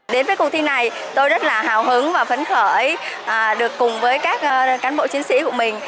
đến với cuộc thi này tôi rất là hào hứng và phấn khởi được cùng với các cán bộ chiến sĩ của mình